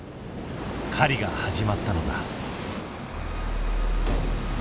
狩りが始まったのだ。